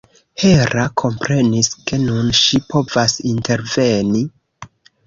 Hera komprenis, ke nun ŝi povas interveni.